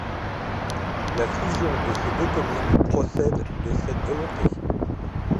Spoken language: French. La fusion de ces deux communes procède de cette volonté.